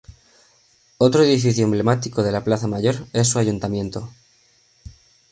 Otro edificio emblemático de la plaza Mayor es su Ayuntamiento.